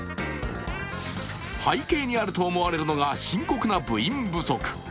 背景にあると思われるのが深刻な部員不足。